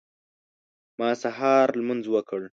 ما سهار لمونځ وکړ.